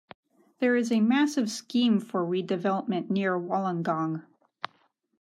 There is a massive scheme for redevelopment near Wollongong.